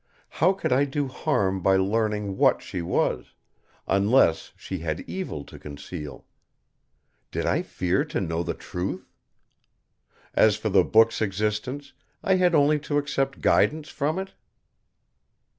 How could I do harm by learning what she was, unless she had evil to conceal? Did I fear to know the truth? As for the book's existence, I had only to accept guidance from It